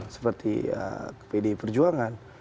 seperti pdi perjuangan